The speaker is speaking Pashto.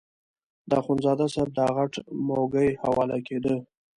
د اخندزاده صاحب دا غټ موږی حواله کېده.